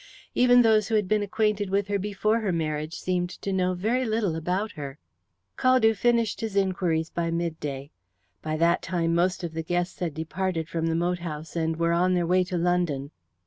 Even those who had been acquainted with her before her marriage seemed to know very little about her. Caldew finished his inquiries by midday. By that time most of the guests had departed from the moat house and were on their way to London.